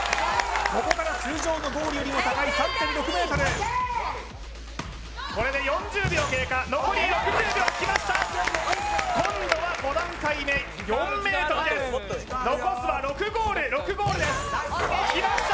ここから通常のゴールよりも高い３．６ｍこれで４０秒経過残り６０秒きました今度は５段階目４ｍです残すは６ゴール６ゴールですきました